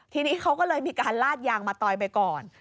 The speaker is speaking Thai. ทีนี้เขาก็เลยมีการลาดยางมาตอยไปก่อน